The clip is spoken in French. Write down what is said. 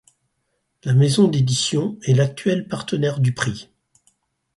La maison d’éditions est l’actuel partenaire du prix.